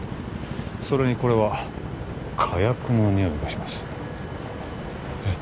それにこれは火薬のにおいがしますえっ！？